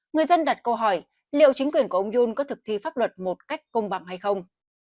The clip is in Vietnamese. người dân đặt câu hỏi liệu chính quyền của ông yun có thực thi pháp luật một cách công bằng hay không